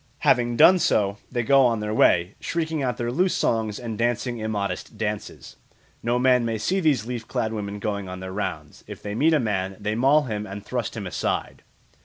Having done so they go on their way, shrieking out their loose songs and dancing immodest dances. No man may see these leaf clad women going their rounds. If they meet a man, they maul him and thrust him aside.